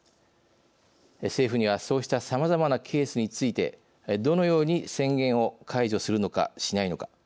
政府には、そうしたさまざまなケースについてどのように宣言を解除するのかしないのか。